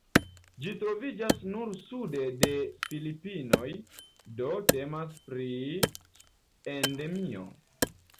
Ĝi troviĝas nur sude de Filipinoj, do temas pri Endemio.